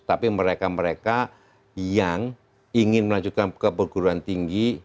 tapi mereka mereka yang ingin melanjutkan ke perguruan tinggi